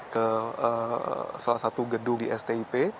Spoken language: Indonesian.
ke salah satu gedung di stip